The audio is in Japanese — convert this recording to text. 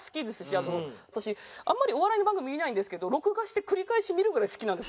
あと私あんまりお笑いの番組見ないんですけど録画して繰り返し見るぐらい好きなんです